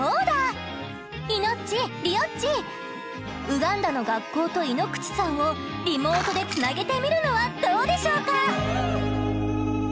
ウガンダの学校と井ノ口さんをリモートでつなげてみるのはどうでしょうか？